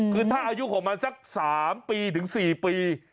คือถ้าอายุของมันสัก๓ปีถึง๔ปี